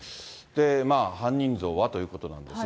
犯人像はということなんですが。